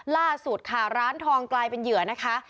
ล่าสุดค่ะร้านทองกลายเป็นเหยื่อนะคะ